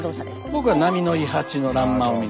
僕は波の伊八の欄間を見に。